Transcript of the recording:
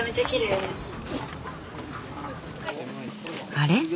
あれ？